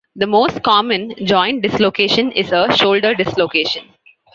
The most common joint dislocation is a shoulder dislocation.